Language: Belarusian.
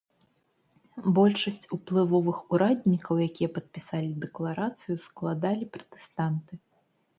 Большасць уплывовых ураднікаў, якія падпісалі дэкларацыю, складалі пратэстанты.